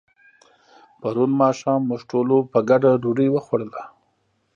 پرون ماښام موږ ټولو په ګډه ډوډۍ وخوړله.